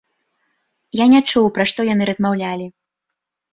Я не чуў, пра што яны размаўлялі.